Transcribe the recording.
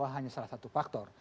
hanya salah satu faktor